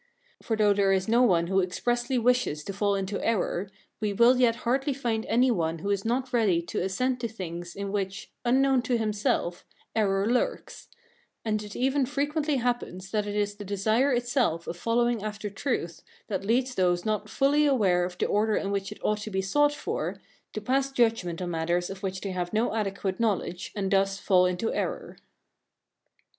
For though there is no one who expressly wishes to fall into error, we will yet hardly find any one who is not ready to assent to things in which, unknown to himself, error lurks; and it even frequently happens that it is the desire itself of following after truth that leads those not fully aware of the order in which it ought to be sought for, to pass judgment on matters of which they have no adequate knowledge, and thus to fall into error.